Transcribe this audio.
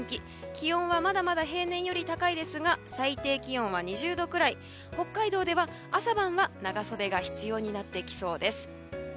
気温はまだまだ平年よりは高く最低気温は２０度くらい北海道では朝晩は長袖が必要になってきそうです。